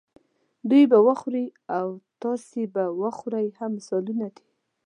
دوی به وخوري او تاسې به وخورئ هم مثالونه دي.